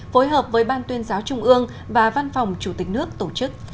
phối hợp với ban tuyên giáo trung ương và văn phòng chủ tịch nước tổ chức